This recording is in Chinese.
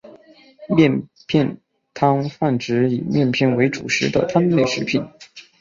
面片汤泛指以面片为主食的汤类食品。